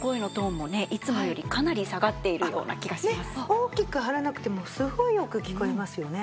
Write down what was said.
大きく張らなくてもすごいよく聞こえますよね。